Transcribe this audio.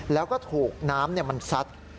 แล้วก็ถูกน้ำมันซัด